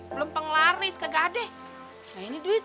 belum penglaris kagak ada